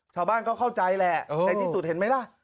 ชาวบ้านก็เข้าใจแหละในที่สุดเห็นไหมล่ะ